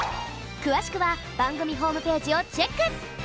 くわしくはばんぐみホームページをチェック！